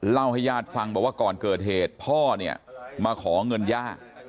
เล่าให้ญาติฟังบอกว่าก่อนเกิดเหตุพ่อเนี่ยมาขอเงินย่า